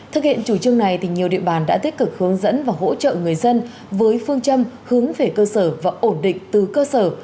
thực hiện chủ trương này nhiều địa bàn đã tích cực hướng dẫn và hỗ trợ người dân với phương châm hướng về cơ sở và ổn định từ cơ sở